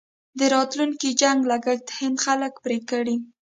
د راتلونکي جنګ لګښت هند خلک پرې کړي.